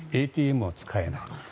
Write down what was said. ＡＴＭを使えない。